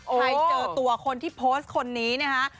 ใครเจอตัวคนที่โพสต์คนนี้เนี่ยฮะ